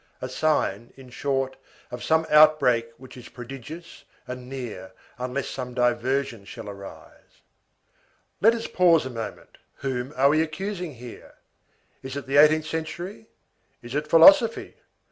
A sign, in short, of some outbreak which is prodigious and near unless some diversion shall arise. Let us pause a moment. Whom are we accusing here? Is it the eighteenth century? Is it philosophy?